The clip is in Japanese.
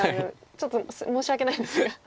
ちょっと申し訳ないんですが。